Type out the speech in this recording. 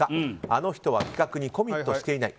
あの人は企画にコミットしていない。